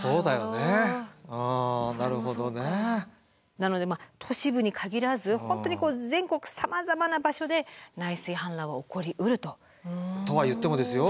なので都市部に限らず本当に全国さまざまな場所で内水氾濫は起こりうると。とはいってもですよ